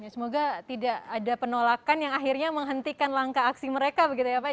semoga tidak ada penolakan yang akhirnya menghentikan langkah aksi moderasi